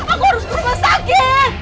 aku harus ke rumah sakit